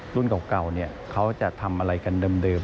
รุ่นเก่าเขาจะทำอะไรกันเดิม